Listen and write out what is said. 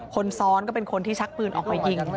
คนซ้อนก็เป็นคนที่ชักปืนออกมายิง